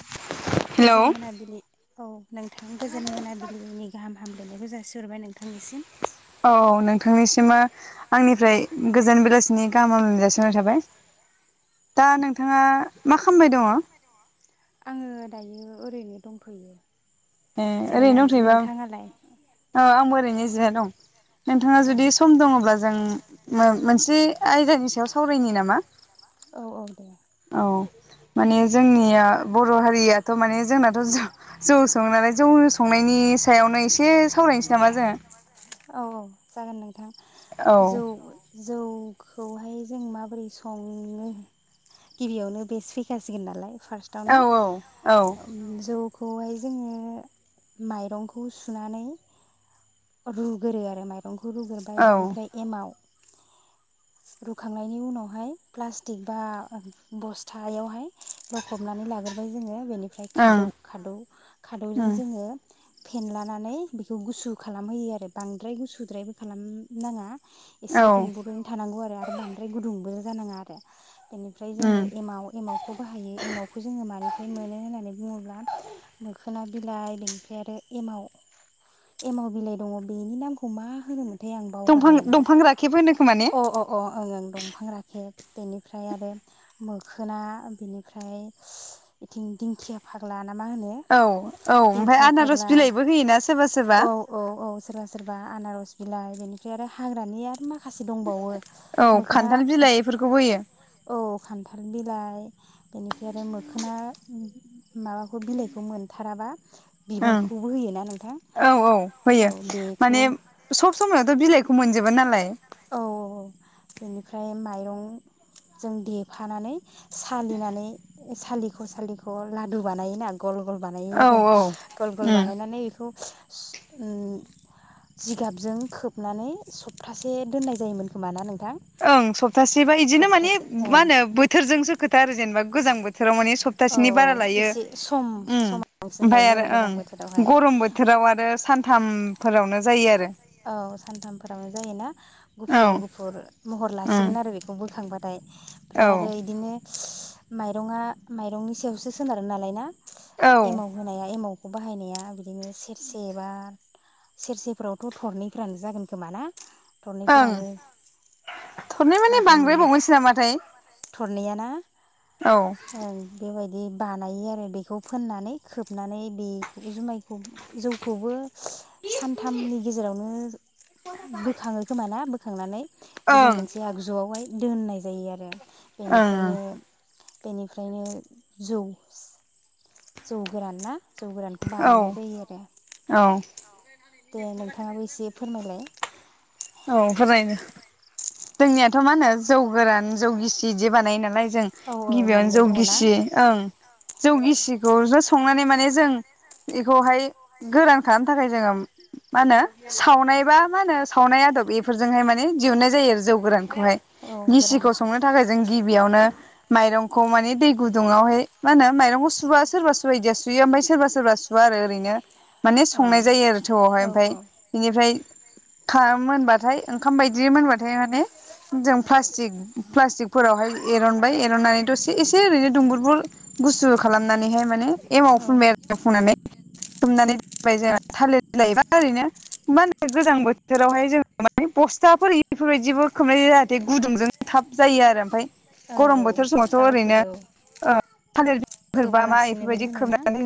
[inaudible] Hello गोजोन मोनाबिलि औ नोंथां गोजोन मोनाबिलिनि गाहाम हामलायनायखौ जासिहरबाय नोंथांनिसिम औ नोंथांनिसिमबो आंनिफ्राय गोजोन बेलासिनि गाहाम हामलायनाय जासिहरनाय थाबाय दा नोंथाङा मा खालामबाय दङ? आङो दायो ओरैनो दंथ'यो। ए ओरैनो जिरायनानै दंथ'योबा नोंथाङालाय औ आंबो ओरैनो जिरायना दं नोंथाङा औ जुदि सम दङब्ला जों मोन मोनसे आयदानि सायाव सावरायनि नामा औ औ दे औ माने जोंनिया बर' हारियाथ' माने जोंनाथ' जौ जौ सङो नालाय जौनो संनायनि सो सायावनो एसे सावरायनोसै नामा जोङो औ औ औ [inaudible] जौ जौखौहाय जों माबोरै संङो गिबियावनो बेसो फैखासिगोन नालाय औ फार्स्टआवनो औ ओम जौ खौहाय जोङो माइरंख खौ सुनानै रुगो गोरो आरो माइ रंखौ रुग्रोबाय बेनिफ्राय एमाव रुखांनायनि उनावहाय प्लास्टिक बा बस्थायावहाय लखबनानै लाग्रोबाय जोङो बेनि ओमफ्राय ओं खादौ खादौ खादौजों ओं जोङो फेनलानानै बेखौ गुसु खालामहोयो आरो बांद्राय गुसुद्रायबो खालाम नाङा एसे औ दुंबरयैनो थानांगौ आरो बांद्राय गुदुंबो जानाङा आरो बेनिफ्राय जोङो उम एमाव एमावखौ बाहायो एमावखौ जोङो मानि ओमफ्राय मोनो होननानै बुङोब्ला मोखोना बिलाइ बेनिफ्राय आरो एमाव एमाव बिलाइ दङ बेनि नामखौ मा होनोमोन? [unintelligible] आं दंफां बावगारलाय लांबाय दंफां राखेब होनो खोमा ने दंफां राखेबा होनो अ अ अ ओं ओं दंफां राखेब बेनिफ्राय आरो मोखोना बेनिफ्राय बिथिं दिंखिया फाग्ला ना मा होनो औ औ ओमफाय दिंखिया आरो फाग्ला औ औ औ सोरबा सोरबा आनारस बिलाइ बेनिफ्राय आरो हाग्रानि आरो मा खासे दंबावो औ मोखोना खान्थाल बिलाइफोरखौबो होयो औ खान्थाल बिलाइ बेनिफ्राय आरो मोखोना माबाखौ बिलाइखौ मोनथाराबा ओं बिबारखौबो होयोना नोंथां औ औ औ होयो बेखौ माने सब समायावथ' बिलाइखौ मोनजोब [unintelligible] नालाय औ औ औ इनिफ्राय माइरंजों देफानानै सालिनानै सालिख' सालिख' लादु बानायोना गल गल बानायो औ आरो औ गल गल उम बानायनानै इखौ [unintelligible] उम जिगाबजों खोबनानै सप्तास से दोननाय जायोमोन खोमा ना नों ओं सप्तासेबा इदिनो माने औ मा होनो बोथोरजोंसो खोथा आरो जेनेबा गोजां बोथ थोराव माने औ सप्तासेनि बारा लायो एसे सम उम समा बांसिन लायो ओमफाय आरो गोजां ओं बोथोरावहाय गरम बोथोराव आरो सानथाम फोरावनो जायो आरो औ सानथामफोरावनो जायोना औ गुफुर गुफुर महर उम लासिगोन आरो बेखौ बोखांबा थाय ओमफ्राय औ आरो इदिनो माइरंआ माइरंनि सायावसो सोनारो नालाय ना औ एमाव होनाया एमाव खौ बाहायनाया बिदिनो सेरसे बा सेरसेफोराव [unintelligible] थरनैफ्रानो जागोन खोमा ना ओं थरनैफोरानो थरनै माने लादु मोननै बांद्रायबावोसो नामाथाय थरनैया ना औ ओं बेबायदि बानायो आरो बेखौ फोननानै खोबनानै बेखौ जुमाय खौ जौखौबो सानथामनि गेजेरावनो बोखाङो खोमा ना बो खांनानै ओं [unintelligible] आवहाय दोननाय जायो आरो बेनिफ्रायनो ओं बेनिफ्रायनो जौ स जौ गोरान ना? जौ गोरानखौ औ बानायनाय जायो आरो औ दे नोंथाङाबो एसे फोरमायलाय औ फरायनो जोंनियाथ' मा होनो जौ गोरान जौ गिसि बिदि बानायो नालाय जों औ औ गिबियावनो मोननै जौ दङ ना गिसि ओं जौ गिसिखौ जौ संनानै माने जों बेखौहाय गोरान खालामनो थाखाय जोङो मा होनो सावनाय बा मा होनो। खावनाय आदब बेफोरजोंहाय माने दिहुननाय जायो आरो जौ गोरान खौहाय औ गिसिखौ गोरानखौ संनो थाखाय जों गिबियावनो माइरंखौ माने दै गुदुङावहाय मा होनो माइरंखौ सुबुवा सोरबा सुब बायदिया सुयो ओमफाय सोरबा सोरबा सुवा आरो ओरैनो माने औ संनाय जायो आरो थौआवहाय औ आमफाय औ बेनिफ्राय थाम मोनबाथाय ओंखाम बायदि मोनबा थाय माने जों प्लास्टिक प्लास्टिकफोरावहाय एरन बाय एरनानै दसे एसे ओरैनो दुंबुरबुर गुसु खालामनानैहाय माने एमाव औ फुनबाय आरो फुननानै दुमनानै दोनबाय जोंहा थालिर बिलाय ओरैनो मा होनो गोजां बो थोरावहाय जोङो माने बस्थाफोर इफोरबायदिबो खोबनाय जाहाथे गुदुंजों थाब जायो आरो ओमफाय औ औ बस्ताबो खोबौ। थालिरफोरबा मा बेफोरबायदि खोबनानै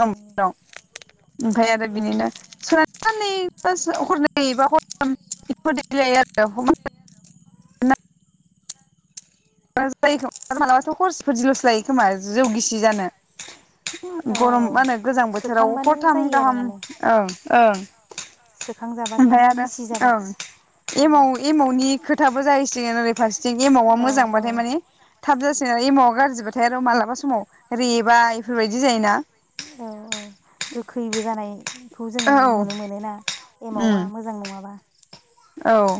औ [unintelligible] ओमफाय आरो बिदिनो सा-साननै हरनै बा हरथाम [unintelligible] जायो खोमा मालाबाथ हरसेफोरदिलसो लायो खोमा जौ गिसि जानो औ गरम औ मा होनो गोजां बोथोराव सोखांबानो हरथाम जायो आरो गाहाम माने ओं ओ ओमफाय सोखांजाबाथायनो आरो गिसि ओ जाबाय औ एम-एमावनि खो थाबो जाहैसै आरो फारसे जेनि एमावा औ मोजां औ फ्राय माने थाब जासिगोन एमावा गाज्रिबाथाय आरो मालाबा समाव रेबा बेफोरबायदि जायोना? औ औ गोखैबो जानाय खौ जों औ नुनो मोनो ना एमावा उम मोजां नङाबा। औ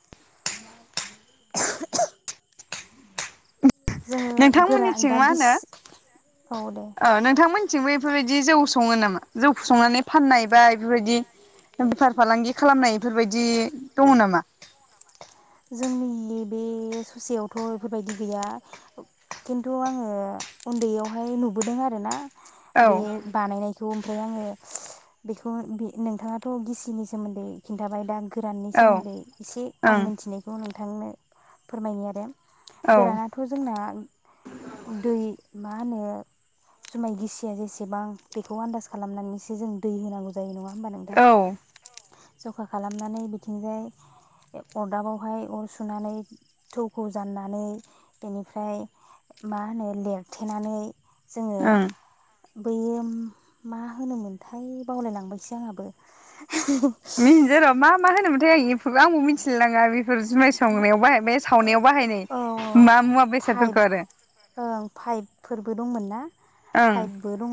जोङो गोरा नोंथांमोननिथिं दा मा गिस होनो औ दे औ नोंथांमोन निथिंबो बेफोरबायदि जौ सङो नामा जौखौ संनानै फाननाय बा बेफोरबायदि बेफार फालांगि खालामनाय बेफोरबायदि दङ नामा? जोंनि बे ससेयावथ बेफोरबायदि गैया खिन्थु आङो उन्दैयावहाय नुबोदों आरोना औ बे बानायनाय खौ ओमफ्राय आङो बेखौ नोंथाङाथ' गिसिनि सोमोन्दै खिन्थाबाय दा गोराननि औ सोमोन्दै एसे आं ओं मोनथिनाय नोंथांनो फोरमायनि आरो। औ गोरानाथ' जोंना दै। मा होनो जुमाय गिसिया जेसेबां बेखौ आन्दास खालामनानैसो जों दै होनांगौ जायो नङा होन होमबा नोंथां। औ जखा खालामनानै बिथिंजाय अरदाबाव बेहाय अर सुनानै थौखौ जाननानै बेनिफ्राय मा होनो लेरथेनानै जोङो। बैयो मा होनोमोनथाय बावलायलांबायसो आंहाबो [unintelligible] [unintelligible] इफोरबो आंबो मिथिलाय लांङा जुमाय संनायाव बाहाय बे सावनायाव बाहायनाय औ मा मुवा पाइप बेसादफोरखौ आरो। बो दंमोन ना? ओं पाइपबो दङ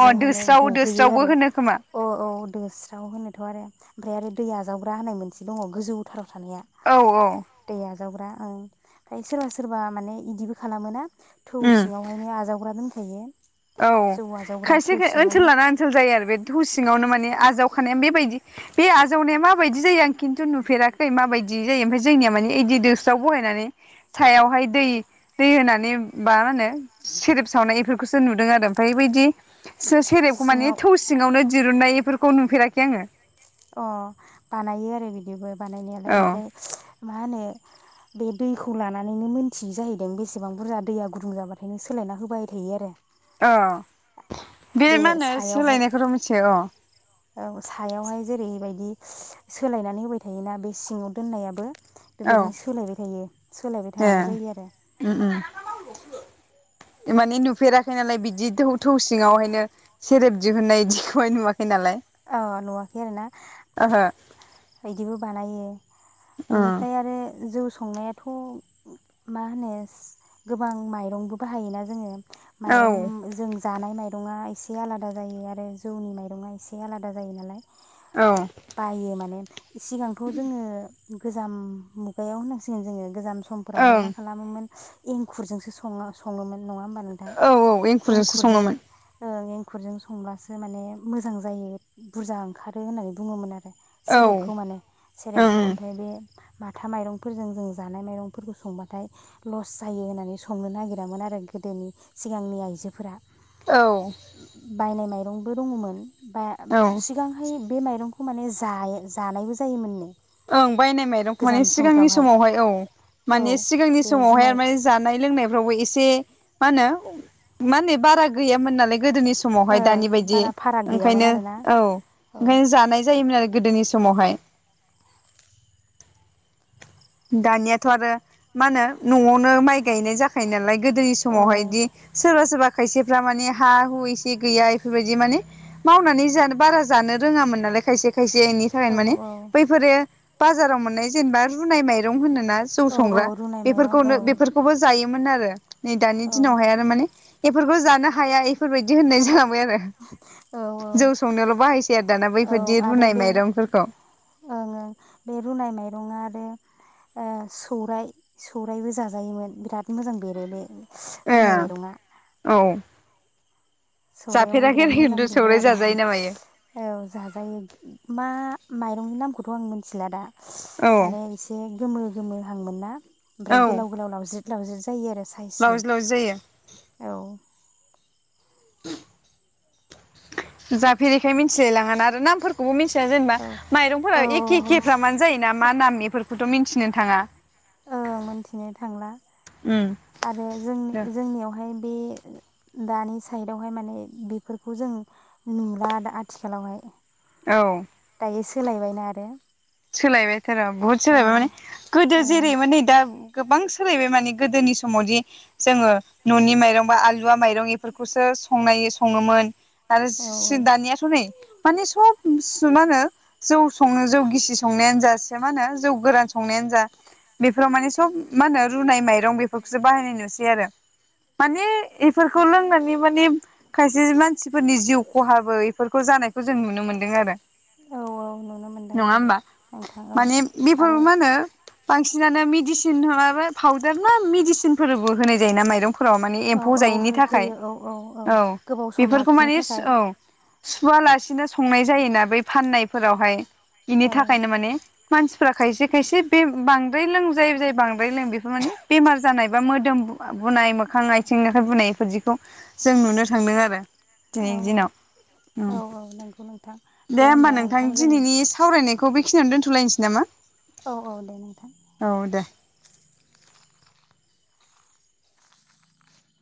अ माने दोस्राव गहैयो दोस्रावबो आरो होनो खोमा अ औ। दोस्राव होनोथ' आरो ओमफ्राय आरो दै आजावग्रा होनाय मोनसे दङ गोजौथाराव थानाया। अ। जावग्रा ओं ओमफ्राय सोरबा सोरबा माने इदिबो खालामोना थौ उम सिङावहायनो आजावग्रा दोन खायो। औ खायसे ओनसोल लाना ओनसोल जायो आरो बे थौ सिङावनो माने आज जावखानाया बेबायदि बे आजावनाया माबायदि जायो आं खिन्थु नुफेराखै माबायदि जायो ओमफ्राय जोंनिया माने इदि दोस्राव बहायनानै सायावहाय दै दै होनानै मा होनो सेरेब सावनाय बेफोरख नुदों आरो ओमफ्राय बोयदि से सेरेबखौ माने सिङाव थौ सिङावनो दिरुननायफोर खौ नुफेराखै आङो। अ बानायो आरो बिदिबो बानायनायालाय औ ओमफ्राय मा होनो बे दैखौ लानानैनो मोन्थिययो जाहैदों बेसेबां बुरजा दैया गुदुं जाबाथायनो सोलायना होबाय थायो आरो। अ। बे सायावहाय मिथियो औ सायावहाय जेरैबायदि सोलायनानै होबाय थायोना बे सिङाव दोननायाबो अ औ बेबायदिनो सोलायबाय थायो। सोलायबाय ए थानांगौ जायो आरो ओम ओम माने नुफेराखै नालाय बिदि थौ सिङावहायनो सेरेब दिहुननाय बिदिखौहाय नुवाखै नालाय अ नुवखै आरोना? ओहो बिदिबो बानायो औ बेनिफ्राय आरो जौ संनायाथ' मा होनो गोबां माइरंबो बाहायोना जोङो माइरं औ जों जानाय माइरङा एसे आलादा जायो आरो जौनि माइरङा एसे आलादा जायो नालाय ओं बायो माने सिगांथ' जोङो गोजाम मुगायाव होनांसिगोन जोङो गोजाम समफोरावहाय मा औ खालामोमोन एंखुरजोंसो सङोमोन। नङा होमबा नोंथां? औ एंखुरजोंसो सङोमोन एंखुरजों संब्लासो माने मोजां जायो बुरजा ओंखारो होननानै बुङोमोन आरो औ ओं सेरेबखौ मोनो सेरेबखौ ओं ओमफ्राय बे माथा माइरंफोरजों जों जानाय माइरंफोरखौ संबाथाय लस जायो होननानै संनो नागिरामोन आरो गोदोनि सिगांनि आइजोफोरा। औ। बायनाय माइरंबो दङमोन। -बा सिगांहाय बे माइरंखौ माने जायो जानायबो जायोमोननो। ओं बायनाय माइरं माने गोजाम सिगांनि समफ्रावहाय समावहाय औ औ मानिे सिगांनि बे समावहाय जुमाय माने जानाय लोंनायफ्रावबो एसे मा होनो मने बारा गैयोन नालाय गोदोनि समावहाय ओं दानि बायदि बारा फाराग गैयामोन ओंखायनो आरोना औ औ ओंखायनो जानाय जायोमोन आरो गोदोनि समावहाय। [inaudible] दानियाथ' आरो मा होनो न'आवनो माइ गायनाय जाखायो नालाय गोदोनि समावहाय औ बिदि सोरबा सोरबा खायसेफ्रा माने हा-हु एसे गैया बेफोरबादि माने मावनानै जानो बारा नो रोङामोन नालाय खायसे खायसेनि थाखायनो औ माने औ बैफोरो बाजाराव मोननाय जेनेबा रु नाय माइरं होनो ना जौ औ औ संग्रा रुनाय माइरं औ बेफोरखौनो बेफोरखौबो जायोमोन मोन आरो। नै दानि औ दिनावहाय आरो माने बेफोरखौ जानो हाया इफोरबायदि होननाय जा औ औ बाहायसै आरो दाना औ बैफोरदि आरो रुनाय बे माइरंफोरखौ ओं ओं बे रुनाय माइरंआ आरो ओ सौराय सौरायबो जाजायोमोन बिराद मोजां बेरो बे। स ओ रुनाय माइरंआ। औ सौरयावबो जाफेराखै बिराद मोजां खिन्थु बेरो सौराय आरो जाजायो ना मायो [unintelligible] औ जाजायो मा माइ रंनि नामखौथ' आं मोनथिला दा। औ माने इसे। गोमो गोमोहांमोन ना? ओमफ्राय औ गोलाव गोलाव लावज्रिद। लावज्रिद जायो आरो। साइसनि लावज लावज जायो औ। [unintelligible] जाफेरिखाय मिथिलाय लाङा ना आरो नामफोरखौबो मिथि जेनेबा औ औ माइरंफोराव एखे मोनथि एखेफ्रामानो जायो ना मा नाम एफोरखौथ' मिन थिनो थाङा। ओं मोनथिनो थांला उम आरो जोंनि जोंनियावहाय बे दानि साइडआवहाय माने बेफोरखौ जों नुला आथ आथिखालावहाय। औ। दायो सोलायबायना आरो। सोलायबायथ' आरो बहुद औ सोलायबाय माने गोदो औ जेरैमोन नै दा गोबां सोलायबाय माने गोदोनि समावदि जोङो न'नि माइरं बा आलुवा माइरं बेफोरखौसो संनाय सङोमोन। आरो औ सि दानियाथ' नै। माने सब सि मा होनो जौ संनो जौ गिसि। संनायानो जासो मा होनो जौ गोरान संनायानो जा बेफोराव माने सब मा होनो रुनाय माइरं बेफोरखौसो बाहायनाय नुसै आरो माने एफोरखौल' नंङै माने खायसे मानसिफोरनि जिउ खहाबो एफोरखौ जानायखौ जों नुनो मोनदों आरो। औ औ नुनो मोनदों नङा नंगौ होमबा? नोंथां औ माने बेफोर आरो मा होनो। बांसिनानो मेदिसिन माबाबा फाउदार ना मेदिसिनफोरबो होनाय जाय ना माइरं फ्राव माने औ एम्फौ औ जायैनि थाखाय होयो औ औ गोबाव सम बेफोरखौ लाखिनो माने स थाखाय औ। सुवालासिनो संनाय जायोना बै फाननायफोरावहाय। बिनि औ। थाखायनो माने मानसिफ्रा खायसे खायसे बे बांद्राय लों। जाय जाय बांद्राय लों बेफोर माने बेमार जानाय। एबा मोदोम बु बुनाय मोखां आथिं आखाइ बुनाय बेफोरदिखौ जों नुनो थांदों आरो। औ दिनैनि दिनाव ओम औ औ नंगौ नोंथां दे होमबा नोंथां जों दिनैनि सावरायनायख अ बेखिनियानो दोनथ'लायनोसै नामा? औ औ दे। औ दे